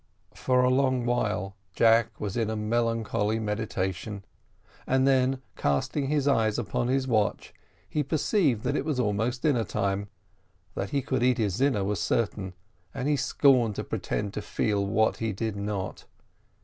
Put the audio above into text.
For a long while Jack was in a melancholy meditation, and then, casting his eyes upon his watch, he perceived that it was almost dinner time. That he could eat his dinner was certain, and he scorned to pretend to feel what he did not.